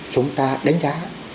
chúng ta đánh giá